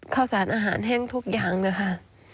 เข้าสร้างอาหารแห้งทุกอย่างเลยค่ะ